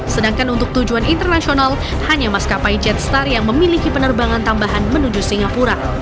sedangkan untuk tujuan internasional hanya maskapai jetstar yang memiliki penerbangan tambahan menuju singapura